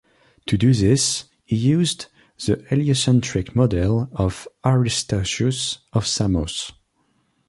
To do this, he used the heliocentric model of Aristarchus of Samos.